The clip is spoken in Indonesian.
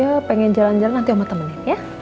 atau ya pengen jalan jalan nanti oma temenin ya